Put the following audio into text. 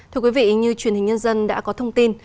thưa quý vị như truyền hình nhân dân đã có thông tin